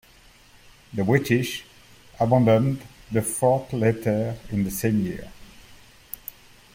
The British abandoned the fort later in the same year.